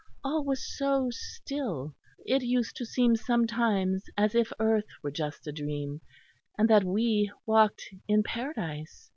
All was so still; it used to seem sometimes as if earth were just a dream; and that we walked in Paradise.